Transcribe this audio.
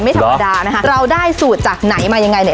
ไม่ธรรมดานะคะเราได้สูตรจากไหนมายังไงเนี่ย